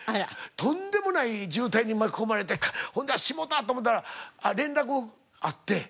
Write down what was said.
とんでもない渋滞に巻き込まれてしもた！と思ったら連絡あって。